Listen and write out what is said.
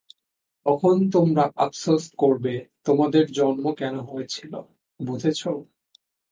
তখন তোমরা আফসোস করবে তোমাদের জন্ম কেন হয়েছিল, বুঝেছো?